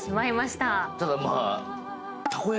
ただまあ。